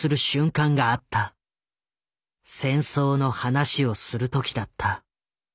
戦争の話をする時だった。